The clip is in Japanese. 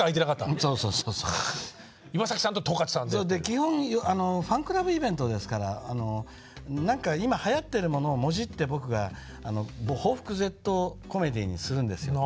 基本ファンクラブイベントですから何か今はやってるものをもじって僕が抱腹絶倒コメディーにするんですよ。